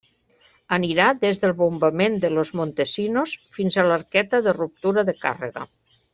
Anirà des del bombament de Los Montesinos fins a l'arqueta de ruptura de càrrega.